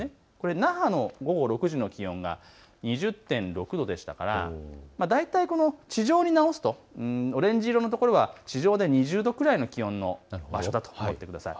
那覇の午後６時の気温が２０．６度でしたから大体、地上に直すとオレンジ色のところは地上で２０度くらいの気温のところだと思ってください。